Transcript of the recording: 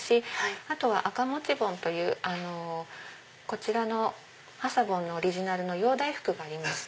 あとは赤モチボンというこちらのＨＡＳＡＢＯＮのオリジナルの洋大福がありまして。